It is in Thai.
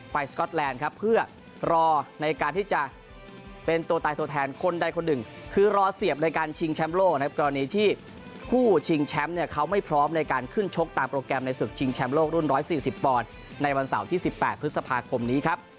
โปรแกรมในศึกชิงแชมป์โลกรุ่น๑๔๐ปในวันเสาร์ที่๑๘พฤษภาคมนี้ครับ